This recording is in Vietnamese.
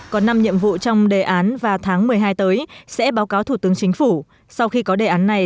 có năm nhiệm vụ trong đề án và tháng một mươi hai tới sẽ báo cáo thủ tướng chính phủ sau khi có đề án này